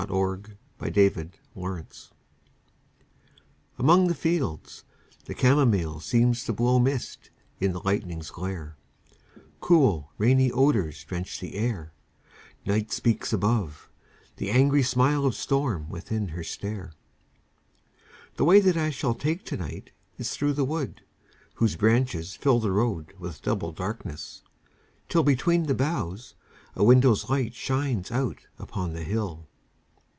THE WINDOW ON THE HILL Among the fields the camomile Seems blown mist in the lightning's glare: Cool, rainy odors drench the air; Night speaks above; the angry smile Of storm within her stare. The way that I shall take to night Is through the wood whose branches fill The road with double darkness, till, Between the boughs, a window's light Shines out upon the hill.